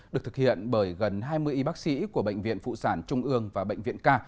được thực hiện bởi gần hai mươi y bác sĩ của bệnh viện phụ sản trung ương và bệnh viện ca